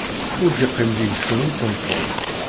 Ur d-iqqim deg-sen uṭenṭun.